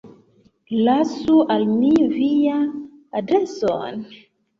Lasu al mi vian adreson.